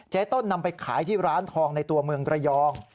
ต้นนำไปขายที่ร้านทองในตัวเมืองระยอง